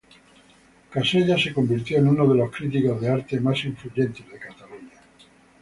Casellas se convirtió en uno de los críticos de arte más influyentes de Cataluña.